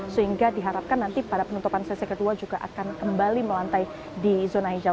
sehingga diharapkan nanti pada penutupan sesi kedua juga akan kembali melantai di zona hijau